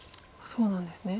そうなんですね。